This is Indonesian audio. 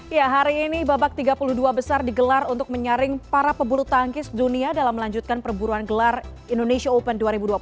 ya hari ini babak tiga puluh dua besar digelar untuk menyaring para pebulu tangkis dunia dalam melanjutkan perburuan gelar indonesia open dua ribu dua puluh tiga